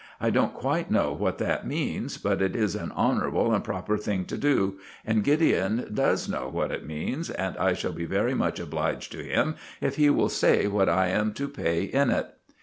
I don't quite know what that means, but it is an honourable and proper thing to do; and Gideon does know what it means, and I shall be very much obliged to him if he will say what I am to pay in it."